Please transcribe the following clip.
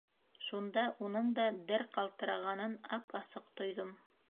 Шунда уның да дер ҡалтырағанын ап-асыҡ тойҙом.